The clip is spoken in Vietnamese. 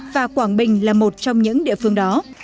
và quảng bình là một trong những địa phương đó